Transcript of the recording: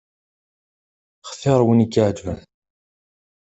Xtir win i k-iεeǧben.